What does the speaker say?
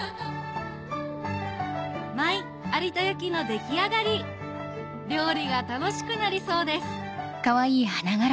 マイ有田焼の出来上がり料理が楽しくなりそうです